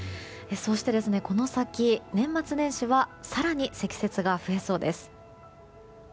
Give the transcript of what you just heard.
そして、この先年末年始は更に積雪が増えそうです。